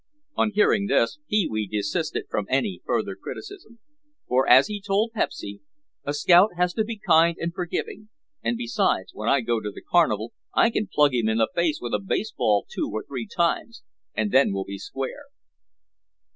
On hearing this Pee wee desisted from any further criticism. For, as he told Pepsy, "a scout has to be kind and forgiving, and besides when I go to the carnival I can plug him in the face with a baseball two or three times and then we'll be square."